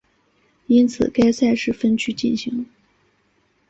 因此该赛事分区进行。